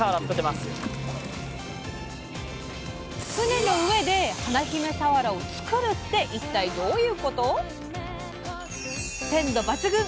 船の上で華姫さわらをつくるって一体どういうこと⁉鮮度抜群！